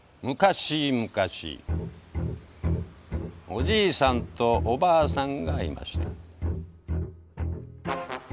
「昔々おじいさんとおばあさんがいました」。